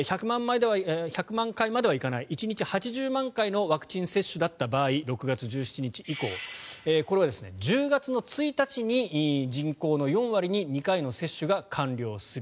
１００万回までは行かない１日８０万回のワクチン接種だった場合６月１７日以降これは１０月１日に人口の４割に２回の接種が完了する。